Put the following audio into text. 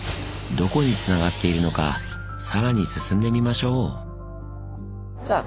どこにつながっているのか更に進んでみましょう。